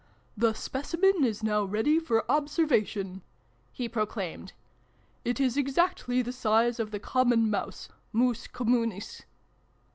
" The Specimen is now ready for observation !" he proclaimed. "It is exactly the size of the Common Mouse Mus Communis